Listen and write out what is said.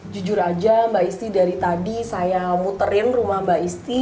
jujur aja mbak isti dari tadi saya muterin rumah mbak isti